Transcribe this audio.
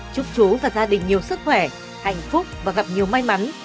chúc chú và gia đình nhiều sức khỏe hạnh phúc và gặp nhiều may mắn